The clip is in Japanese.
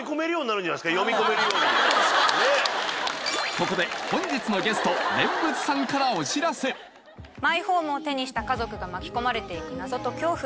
ここで本日のゲストマイホームを手にした家族が巻き込まれていく謎と恐怖。